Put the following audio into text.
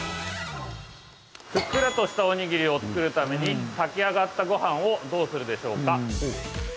ふっくらとしたおにぎりを作るために炊き上がったごはんをどうするでしょうか？